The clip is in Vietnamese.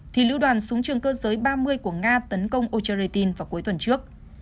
thì lưu đoàn xuống trường cơ giới ba mươi của nga tấn công ocheritin vào cuối tuần trước